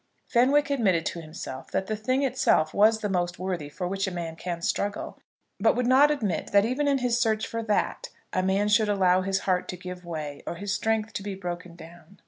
Fenwick admitted to himself that the thing itself was the most worthy for which a man can struggle; but would not admit that even in his search for that a man should allow his heart to give way, or his strength to be broken down.